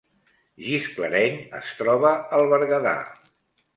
Gisclareny es troba al Berguedà